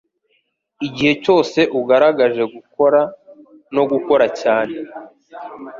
igihe cyose ugaragaje gukora no gukora cyane